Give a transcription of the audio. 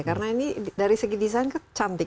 karena ini dari segi desain cantik